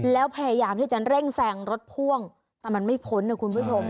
แล้วพยายามที่จะเร่งแซงรถพ่วงแต่มันไม่พ้นนะคุณผู้ชม